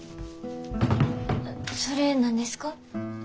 それ何ですか？